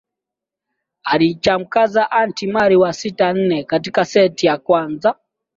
alimchakaza anti mari kwa sita nne katika seti ya kwanza